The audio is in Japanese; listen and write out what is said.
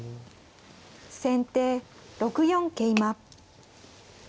先手６四桂馬。